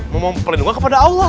mempelindungi kepada allah